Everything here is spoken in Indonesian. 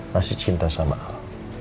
masih cinta sama al